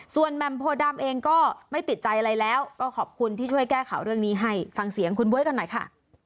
ส่วนแหม่มโพดำเองก็ไม่ติดใจอะไรแล้วก็ขอบคุณที่ช่วยแก้ข่าวเรื่องนี้ให้ฟังเสียงคุณบ๊วยกันหน่อยค่ะ